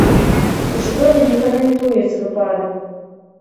У школе не каментуюць выпадак.